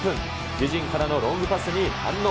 自陣からのロングパスに反応。